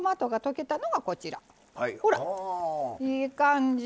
いい感じ！